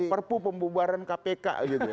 perpu pembubaran kpk